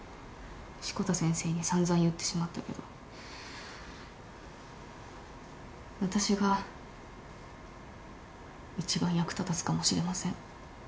志子田先生に散々言ってしまったけど私が一番役立たずかもしれません。